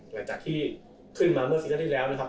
หลังจากที่ขึ้นมาเมื่อซีกที่แล้วนะครับ